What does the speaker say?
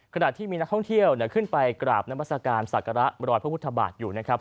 ขณะที่มีนักท่องเที่ยวขึ้นไปกราบนมัศกาลศักระรอยพระพุทธบาทอยู่นะครับ